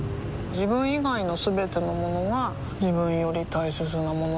自分以外のすべてのものが自分より大切なものだと思いたい